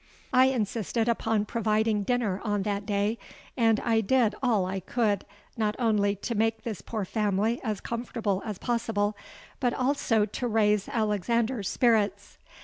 I insisted upon providing dinner on that day; and I did all I could not only to make this poor family as comfortable as possible, but also to raise Alexander's spirits.